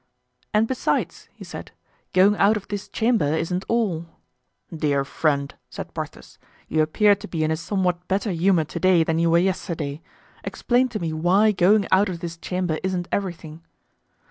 "And besides," he said, "going out of this chamber isn't all." "Dear friend," said Porthos, "you appear to be in a somewhat better humor to day than you were yesterday. Explain to me why going out of this chamber isn't everything."